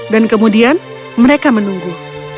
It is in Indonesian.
dan kemudian mereka menunggu